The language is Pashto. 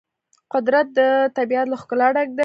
قدرت د طبیعت له ښکلا ډک دی.